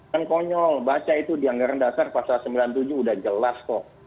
kan konyol baca itu di anggaran dasar pasal sembilan puluh tujuh udah jelas kok